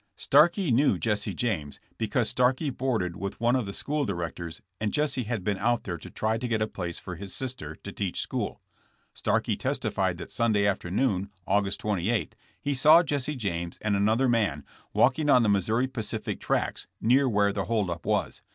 Starkey knew Jesse James, because Starkey boarded with one of the school directors and Jesse had been out there to try to get a place for his sister to teach school. Starkey testified that Sunday afternoon, August 28, he saw Jesse James and an other man walking on the Missouri Pacific tracks near where the hold up was.